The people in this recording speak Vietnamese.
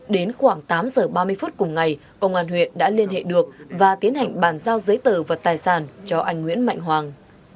đến khoảng tám giờ ba mươi phút cùng ngày công an huyện đã liên hệ được và tiến hành bàn giao giấy tờ và tài sản cho anh nguyễn mạnh hoàng